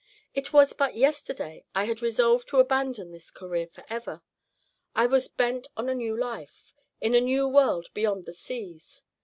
It was but yesterday I had resolved to abandon this career forever. I was bent on a new life, in a new world beyond the seas.